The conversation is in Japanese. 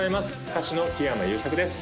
歌手の木山裕策です